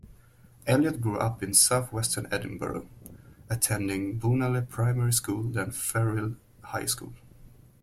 Elliot grew up in south-western Edinburgh, attending Bonaly Primary School then Firrhill High School.